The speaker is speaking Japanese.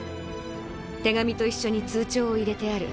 手紙と一緒に通帳を入れてある。